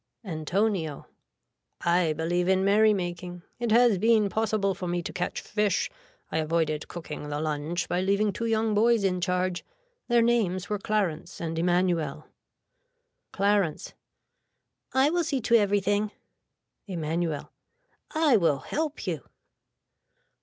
(Antonio.) I believe in merrymaking. It has been possible for me to catch fish. I avoided cooking the lunch by leaving two young boys in charge. Their names were Clarence and Emanuel. (Clarence.) I will see to everything. (Emanuel.) I will help you.